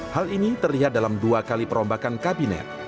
hal ini terlihat dalam dua kali perombakan kabinet